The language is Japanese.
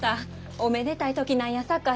おめでたい時なんやさかい